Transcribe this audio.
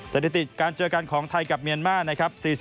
สถิติการเจอกันของไทยกับเมียนมาร์นะครับ